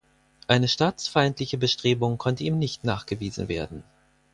Eine staatsfeindliche Bestrebung konnte ihm nicht nachgewiesen werden.